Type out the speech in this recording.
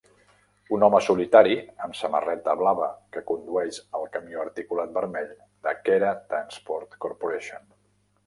Un home solitari amb samarreta blava que condueix el camió articulat vermell de Khera Transport Corp.